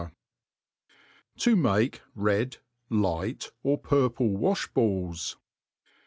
To make *Red^ Lights #r Purple ff^ajh Balls.